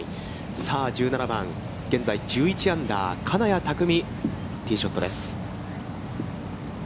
さあ、１７番、現在１１アンダー、金谷拓実、ティーショットです。